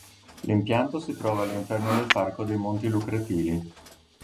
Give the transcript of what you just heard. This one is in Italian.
L'impianto si trova all'interno del Parco dei Monti Lucretili.